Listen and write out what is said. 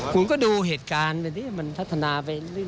คุณก็ดูเหตุการณ์ไปดิมันพัฒนาไปเรื่อย